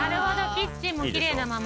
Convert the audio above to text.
キッチンもきれいなまま。